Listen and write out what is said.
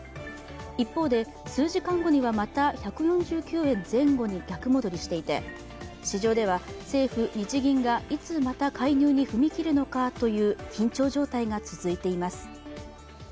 一方で、数時間後には、また１４９円前後に逆戻りしていて、市場では政府・日銀がいつまた介入に踏み切るのかという緊張状態が続いています。